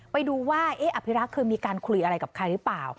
ไปดูว่าอภิรักษ์เคยมีการคุยอะไรกับใครหรือเปล่า